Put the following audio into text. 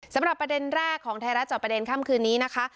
สำหรับประเด็นแรกของไทยรัฐจอบประเด็นค่ำคืนนี้นะคะ